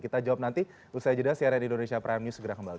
kita jawab nanti usai jeda cnn indonesia prime news segera kembali